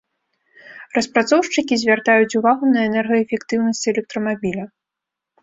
Распрацоўшчыкі звяртаюць увагу на энергаэфектыўнасць электрамабіля.